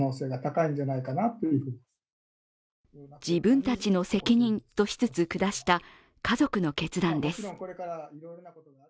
自分たちの責任としつつ下した家族の責任です。